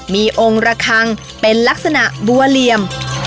มีองค์ระคังเป็นลักษณะบัวเหลี่ยม